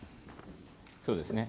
そうですね。